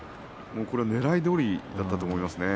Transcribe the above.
これは、ねらいどおりだったと思いますね。